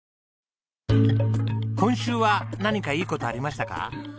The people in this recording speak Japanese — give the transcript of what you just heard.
今週は何かいい事ありましたか？